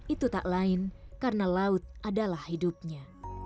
itu tak lain karena laut adalah hidupnya